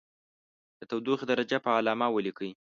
د تودوخې درجه په علامه ولیکئ.